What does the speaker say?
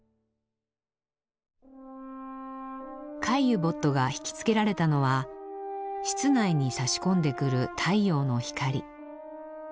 カイユボットが引き付けられたのは室内にさし込んでくる太陽の光。